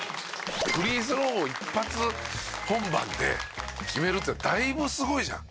フリースローを一発本番で決めるってだいぶすごいじゃん。